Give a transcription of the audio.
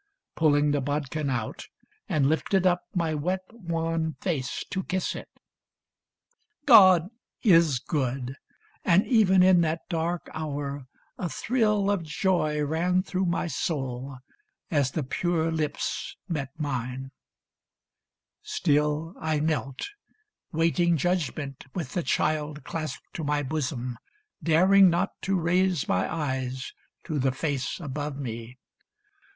Pulling the bodkin out, and lifted up My wet, wan face to kiss it God is good ; And even in that dark hour a thrill of joy Ran through my soul as the pure lips met mine. 468 A MATER DOLOROSA Still I knelt, waiting judgment, with the child Clasped to my bosom, daring not to raise My eyes to the face above me.